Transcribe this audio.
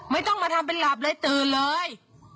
ไม่ต้องมาทำเป็นหลับเลยตื่นเลย